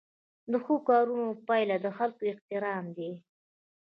د ښو کارونو پایله د خلکو احترام دی.